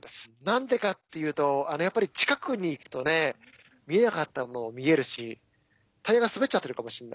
何でかっていうとやっぱり近くに行くとね見えなかったものも見えるしタイヤが滑っちゃってるかもしんないし。